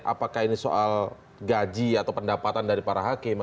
apakah ini soal gaji atau pendapatan dari para hakim